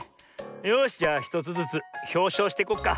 よしじゃあ１つずつひょうしょうしていこっか。